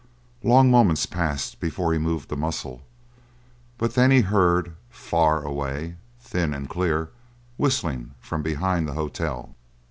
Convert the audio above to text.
Long moments passed before he moved a muscle, but then he heard, far away, thin, and clear, whistling from behind the hotel.